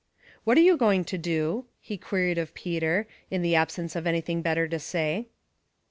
" What are you going to do ?" he queried of Peter, in the absence of any thing better to say.